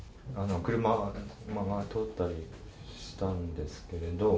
車が通ったりしたんですけれども。